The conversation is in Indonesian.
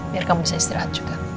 biar kamu bisa istirahat juga